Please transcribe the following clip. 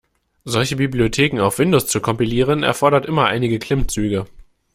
Solche Bibliotheken auf Windows zu kompilieren erfordert immer einige Klimmzüge.